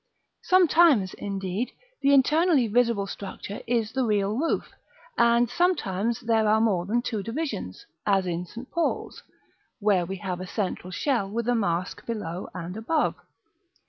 Sometimes, indeed, the internally visible structure is the real roof, and sometimes there are more than two divisions, as in St. Paul's, where we have a central shell with a mask below and above.